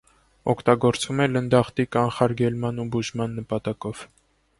Օգտագործվում է լնդախտի կանխարգելման ու բուժման նպատակով։